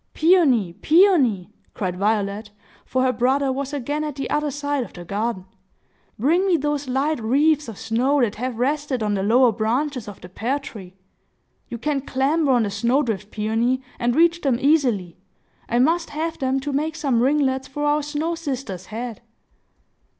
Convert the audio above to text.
"Peony, Peony!" cried Violet; for her brother was again at the other side of the garden. "Bring me those light wreaths of snow that have rested on the lower branches of the pear tree. You can clamber on the snowdrift, Peony, and reach them easily. I must have them to make some ringlets for our snow sister's head!"